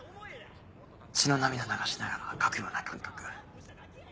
血の涙流しながら書くような感覚。